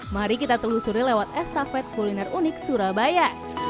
mari kita telusuri lewat estafet kuliner unik surabaya